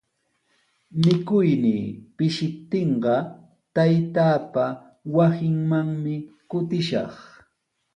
Mikuynii pishiptinqa taytaapa wasinmanmi kutishaq.